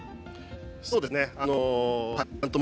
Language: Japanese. そうですねはい。